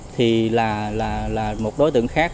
thì là một đối tượng khác